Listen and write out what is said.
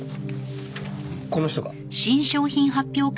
この人か？